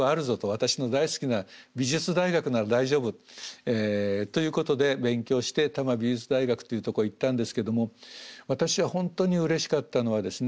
私の大好きな美術大学なら大丈夫ということで勉強して多摩美術大学っていうとこへ行ったんですけども私は本当にうれしかったのはですね